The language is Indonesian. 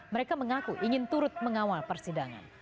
mereka mengaku ingin turut mengawal persidangan